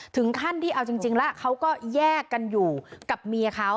ถึงขั้นที่เอาจริงแล้วเขาก็แยกกันอยู่กับเมียเขา